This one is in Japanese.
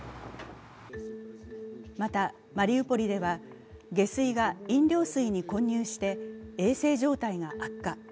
また、マリウポリでは下水が飲料水に混入して衛生状態が悪化。